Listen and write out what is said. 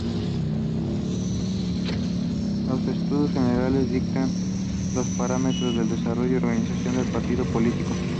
Los estatutos generales dictan los parámetros de desarrollo y organización del partido político.